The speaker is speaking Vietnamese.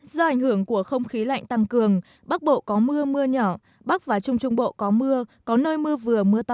do ảnh hưởng của không khí lạnh tăng cường bắc bộ có mưa mưa nhỏ bắc và trung trung bộ có mưa có nơi mưa vừa mưa to